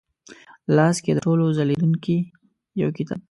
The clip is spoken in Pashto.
لاس کې د ټولو ځلېدونکې یوکتاب،